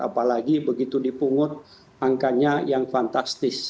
apalagi begitu dipungut angkanya yang fantastis